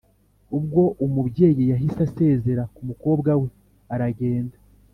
ubwo umubyeyi yahise asezera kumukobwa we aragenda!